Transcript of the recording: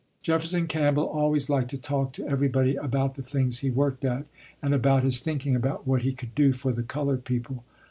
Jefferson Campbell always liked to talk to everybody about the things he worked at and about his thinking about what he could do for the colored people.